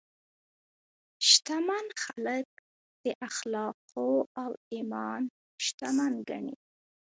شتمن خلک د اخلاقو او ایمان شتمن ګڼي.